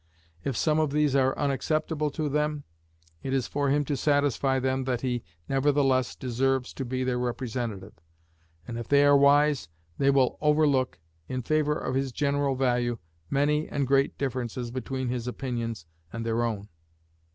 If some of these are unacceptable to them, it is for him to satisfy them that he nevertheless deserves to be their representative; and if they are wise, they will overlook, in favor of his general value, many and great differences between his opinions and their own.